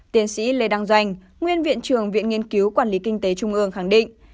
tiến sĩ lê đăng doanh nguyên viện trưởng viện nghiên cứu quản lý kinh tế trung ương khẳng định